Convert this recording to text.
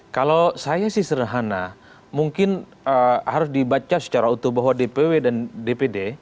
kalau saya sih sederhana mungkin harus dibaca secara utuh bahwa dpw dan dpd